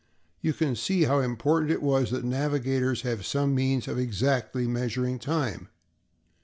You can see how important it was that navigators have some means of exactly measuring time.